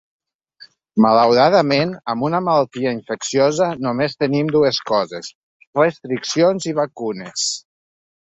Malauradament, amb una malaltia infecciosa, només tenim dues coses: restriccions i vacunes.